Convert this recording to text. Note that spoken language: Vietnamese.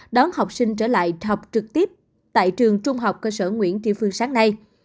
đón học sinh trở lại học trực tiếp tại trường trung học cơ sở nguyễn thị phương sáng nay